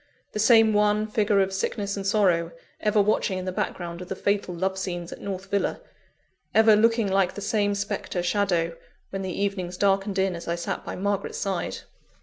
the same wan figure of sickness and sorrow, ever watching in the background of the fatal love scenes at North Villa; ever looking like the same spectre shadow, when the evenings darkened in as I sat by Margaret's side?